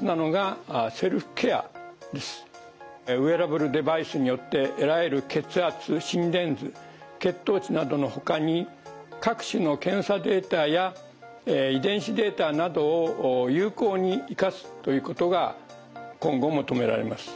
ウェアラブルデバイスによって得られる血圧心電図血糖値などのほかに各種の検査データや遺伝子データなどを有効に生かすということが今後求められます。